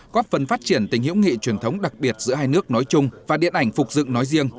góp phần phát triển tình hữu nghị truyền thống đặc biệt giữa hai nước nói chung và điện ảnh phục dựng nói riêng